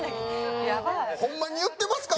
ホンマに言ってますか？